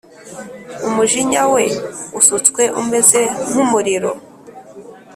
Umujinya we usutswe umeze nk’umuriro